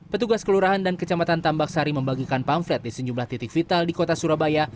petugas kelurahan dan kecamatan tambak sari membagikan pamflet di sejumlah titik vital di kota surabaya